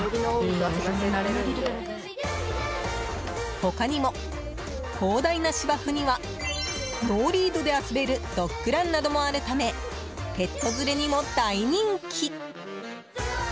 他にも、広大な芝生にはノーリードで遊べるドッグランなどもあるためペット連れにも大人気。